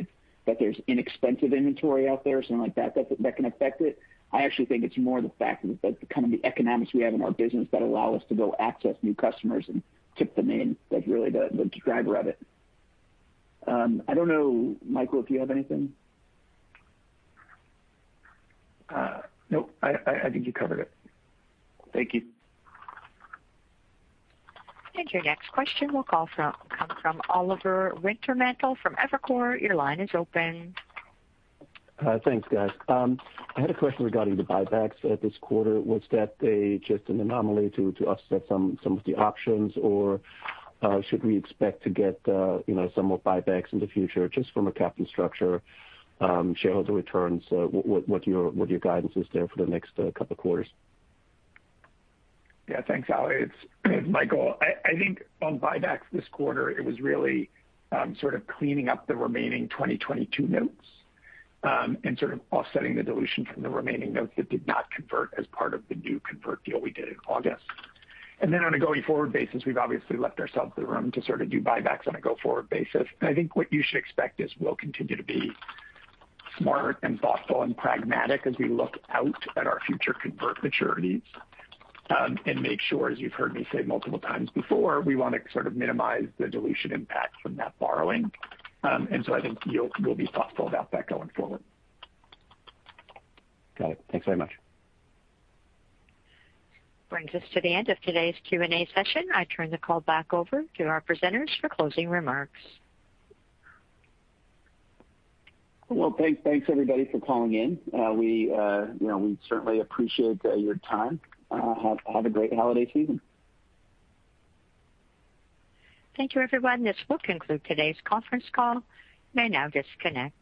Speaker 3: that there's inexpensive inventory out there or something like that can affect it. I actually think it's more the fact that the kind of the economics we have in our business that allow us to go access new customers and tip them in. That's really the driver of it. I don't know, Michael, if you have anything.
Speaker 5: Nope, I think you covered it.
Speaker 9: Thank you.
Speaker 1: Your next question will come from Oliver Wintermantel from Evercore. Your line is open.
Speaker 10: Thanks, guys. I had a question regarding the buybacks this quarter. Was that just an anomaly to offset some of the options, or should we expect to get some more buybacks in the future, just from a capital structure, shareholder returns? What your guidance is there for the next couple of quarters?
Speaker 5: Yeah, thanks, Oli. It's Michael. I think on buybacks this quarter, it was really sort of cleaning up the remaining 2022 notes, and sort of offsetting the dilution from the remaining notes that did not convert as part of the new convert deal we did in August. On a going forward basis, we've obviously left ourselves the room to sort of do buybacks on a go-forward basis. I think what you should expect is we'll continue to be smart and thoughtful and pragmatic as we look out at our future convert maturities. Make sure, as you've heard me say multiple times before, we want to sort of minimize the dilution impact from that borrowing. I think we'll be thoughtful about that going forward.
Speaker 10: Got it. Thanks very much.
Speaker 1: Brings us to the end of today's Q&A session. I turn the call back over to our presenters for closing remarks.
Speaker 3: Well, thanks, everybody, for calling in. We certainly appreciate your time. Have a great holiday season.
Speaker 1: Thank you, everyone. This will conclude today's conference call. You may now disconnect.